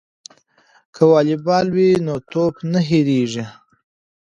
که والیبال وي نو ټوپ نه هیریږي.